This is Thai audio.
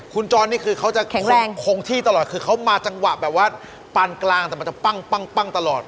คุณจรนี่คือเขาจะคงที่ตลอดคือเขามาจังหวะแบบว่าปานกลางแต่มันจะปั้งตลอด